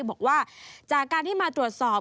บอกว่าจากการที่มาตรวจสอบ